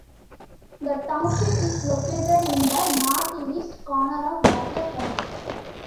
The township is located in the northeast corner of Butler County.